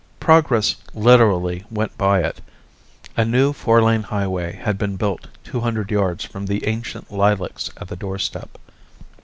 Progress literally went by it: a new four lane highway had been built two hundred yards from the ancient lilacs at the doorstep.